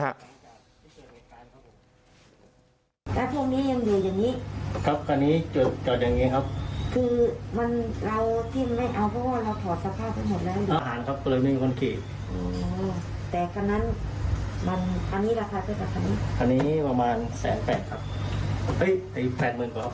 แสนแปดครับเฮ้ยแปดเมินเหรอครับแปดเมินเก้า